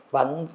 vẫn chứng minh